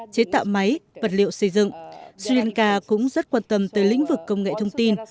chế tạo máy vật liệu xây dựng sri lanka cũng rất quan tâm tới lĩnh vực công nghệ thông tin